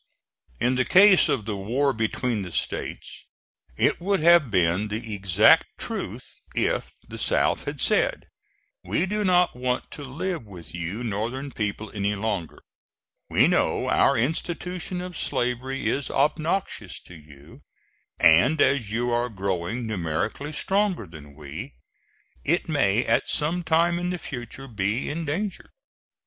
In the case of the war between the States it would have been the exact truth if the South had said, "We do not want to live with you Northern people any longer; we know our institution of slavery is obnoxious to you, and, as you are growing numerically stronger than we, it may at some time in the future be endangered.